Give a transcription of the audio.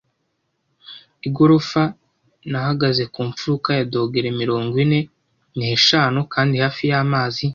igorofa yahagaze ku mfuruka ya dogere mirongo ine n'eshanu kandi hafi y'amazi